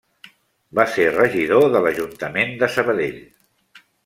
Va ser regidor de l’Ajuntament de Sabadell.